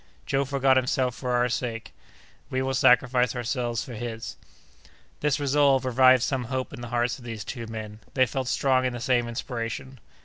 Joe forgot himself for our sake; we will sacrifice ourselves for his!" This resolve revived some hope in the hearts of these two men; they felt strong in the same inspiration.